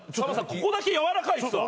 ここだけ軟らかいっすわ。